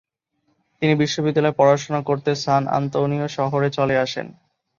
তিনি বিশ্ববিদ্যালয়ের পড়াশোনা করতে সান আন্তোনিও শহরে চলে আসেন।